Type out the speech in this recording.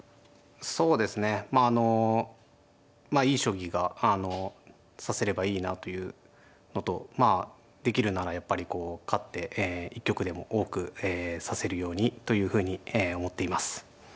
そうですねまああのいい将棋が指せればいいなというのとまあできるならやっぱりこう勝ってえ一局でも多く指せるようにというふうに思っています。